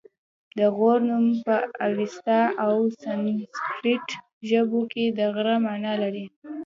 د غور نوم په اوستا او سنسګریت ژبو کې د غره مانا لري